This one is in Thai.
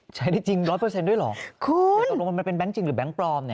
ใช้ได้จริงร้อยเปอร์เซ็นต์ด้วยเหรอคุณมันเป็นแบงค์จริงหรือแบงค์ปลอมเนี่ย